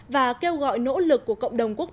và kêu gọi nỗ lực của cộng đồng quốc tế